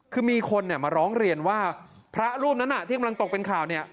คือมีคนมาร้องเรียนว่าพระรูปนั้นที่กำลังตกเป็นข่าวเนี่ย